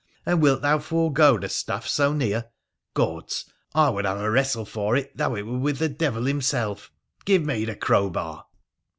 And wilt thou forego the stuff so near ? Gods ! I would have a wrestle for it though it were with the devil himself ! Give me the crowbar.'